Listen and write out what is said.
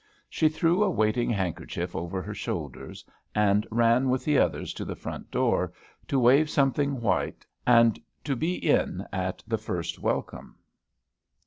She threw a waiting handkerchief over her shoulders, and ran with the others to the front door, to wave something white, and to be in at the first welcome.